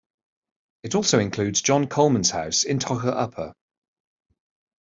It also includes John Coleman's house in togher upper.